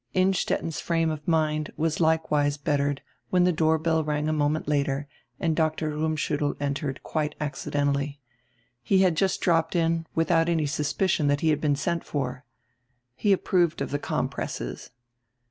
Innstetten's frame of mind was likewise bettered when tire doorbell rang a moment later and Dr. Rummschiittel entered, quite accidentally. He had just dropped in, with out any suspicion that he had been sent for. He approved of the compresses.